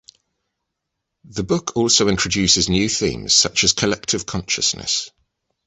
The book also introduces new themes such as collective consciousness.